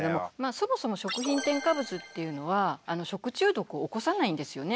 そもそも食品添加物っていうのは食中毒を起こさないんですよね。